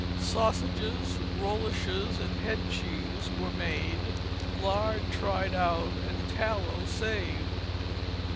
Sausages, rolliches, and head cheese were made, lard tried out, and tallow saved.